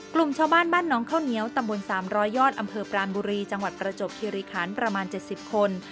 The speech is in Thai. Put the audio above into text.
กลุ่มชาวบ้านบ้านน้องข้าวเหนียวตำบล๓๐๐ยอดอำเภอปรานบุรีจังหวัดประจบคิริคันประมาณ๗๐คน